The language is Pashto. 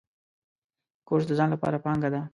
کورس د ځان لپاره پانګه ده.